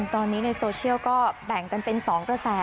ตอนนี้ในโซเชียลก็แบ่งกันเป็น๒กระแส